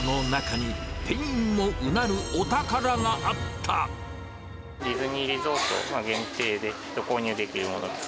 にーりぞーと、ディズニーリゾート限定で購入できるもの。